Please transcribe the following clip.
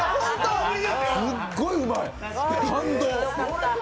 すっごいうまい、感動！